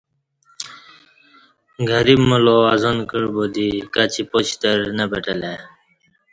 گریب ملا اذان کعبا دی کچی پاچترنہ پٹلہ ای